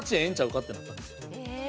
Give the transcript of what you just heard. ってなったんです。